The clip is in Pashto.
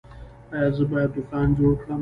ایا زه باید دوکان جوړ کړم؟